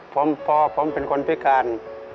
ผมพอผมเป็นคนพิการ